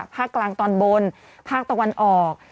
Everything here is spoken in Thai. ภาคกลางตอนบนภาคตะวันออก